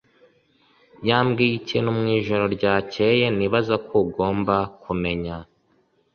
yambwiye ikintu mu ijoro ryakeye nibaza ko ugomba kumenya